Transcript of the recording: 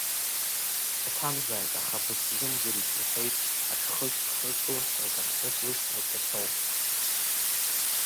Саҭамзааит, аха бысзымдырит, — иҳәеит аҿхышә зхы кылҳәҳәоз аԥҳәыс лышҟа Кьасоу.